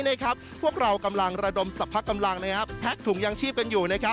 พวกเรากำลังระดมสรรพกำลังแพ็กถุงยางชีพกันอยู่